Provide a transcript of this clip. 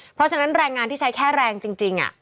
เพราะฉะนั้นแรงงานที่ใช้แค่แรงจริง